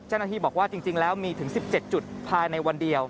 เจ้าหน้าที่บอกว่าจริงแล้วมีถึง๑๗จุดภายในวันเดียว